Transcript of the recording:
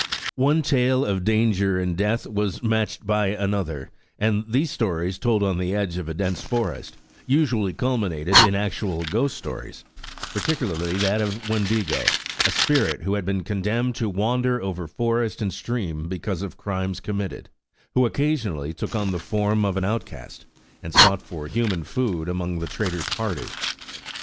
One tale of danger and death was matched by another, and these stories told on the edge of a dense forest usually culminated in actual ghost stories, particularly that of Wendigo, a spirit who had been condemned to wander over forest and stream because of crimes committed, who occasionally took on the form of an outcast, and sought for human food among the trader's party.